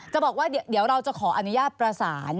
บอกว่าเดี๋ยวเราจะขออนุญาตประสาน